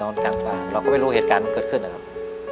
เราก็ไม่รู้เหตุการณ์มันเกิดขึ้นหรือครับ